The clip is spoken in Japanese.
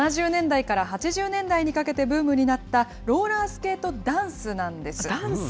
７０年代から８０年代にかけて、ブームになったローラースケートダンスなんです。